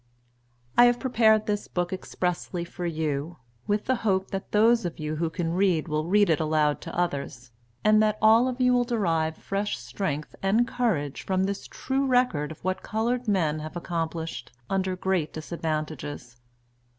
I have prepared this book expressly for you, with the hope that those of you who can read will read it aloud to others, and that all of you will derive fresh strength and courage from this true record of what colored men have accomplished, under great disadvantages.